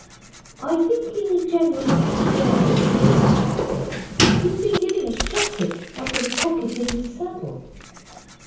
'I think he's a general in disguise,' Noel said. 'He's been giving us chocolate out of a pocket in his saddle.